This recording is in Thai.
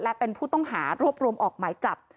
และเป็นผู้ต้องหารวบรวมออกหมายจับ